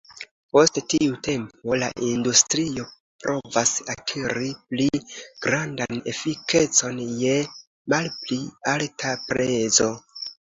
Post tiu tempo, la industrio provas akiri pli grandan efikecon je malpli alta prezo.